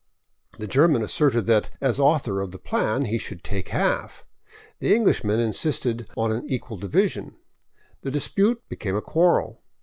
The German asserted that, as author of the plan, he should take half. The Englishmen insisted on an equal division. The dispute became a quarrel.